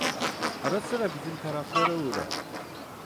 Ara sıra bizim taraflara uğra…